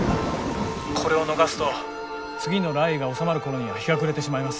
これを逃すと次の雷雨が収まる頃には日が暮れてしまいます。